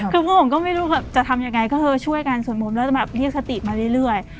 คือพวกผมก็ไม่รู้จะทำยังไงก็คือช่วยกันส่วนมุมแล้วจะแบบเรียกสติมาเรื่อย